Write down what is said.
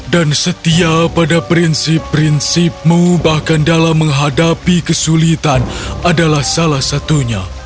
dan setia pada prinsip prinsipmu bahkan dalam menghadapi kesulitan adalah salah satunya